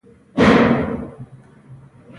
راکټ د دفاع یوه مهمه برخه ده